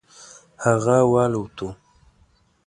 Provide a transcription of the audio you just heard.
هغه والوته.